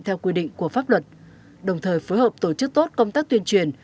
theo quy định của pháp luật đồng thời phối hợp tổ chức tốt công tác tuyên truyền